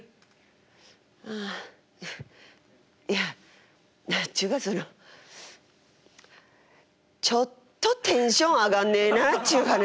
ああいやっちゅうかそのちょっとテンション上がんねえなっちゅう話。